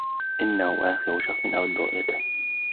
إنه آخر شخصٍ أود رؤيته.